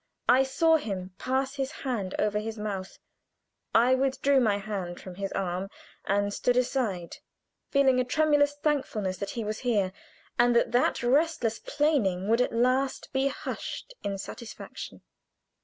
I saw him pass his hand over his mouth. I withdrew my hand from his arm and stood aside, feeling a tremulous thankfulness that he was here, and that that restless plaining would at last be hushed in satisfaction.